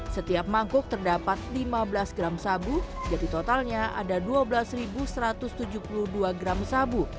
setiap mangkuk terdapat lima belas gram sabu jadi totalnya ada dua belas satu ratus tujuh puluh dua gram sabu